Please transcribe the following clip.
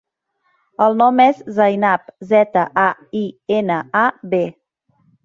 El nom és Zainab: zeta, a, i, ena, a, be.